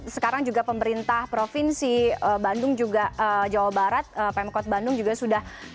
sekarang juga pemerintah provinsi bandung juga jawa barat pemkot bandung juga sudah